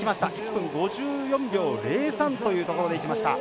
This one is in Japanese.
１分５４秒０３というところでいきました。